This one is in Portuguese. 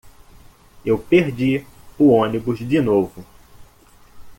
Eu perdi o ônibus de novo